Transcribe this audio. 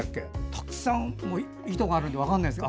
たくさん糸があるので分からないです。